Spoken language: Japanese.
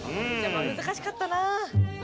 難しかったなあ。